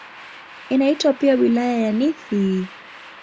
Inaitwa pia "Wilaya ya Nithi".